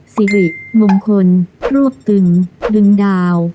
สีฤมพลมงคลรวบตึงดึงดาว